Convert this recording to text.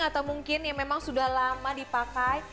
atau mungkin yang memang sudah lama dipakai